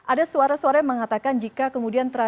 ada suara suara yang mengatakan jika kemudian terjadi